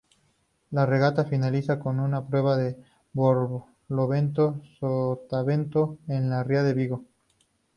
La regata finaliza con una prueba de barlovento-sotavento en la ría de Vigo.